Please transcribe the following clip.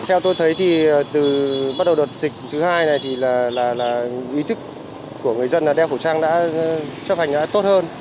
theo tôi thấy từ bắt đầu đợt dịch thứ hai này ý thức của người dân đeo khẩu trang đã chấp hành tốt hơn